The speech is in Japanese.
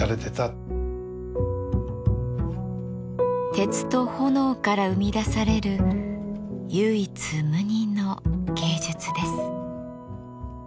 鉄と炎から生み出される唯一無二の芸術です。